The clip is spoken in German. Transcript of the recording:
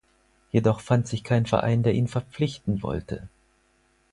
Jedoch fand sich kein Verein, der ihn verpflichten wollte.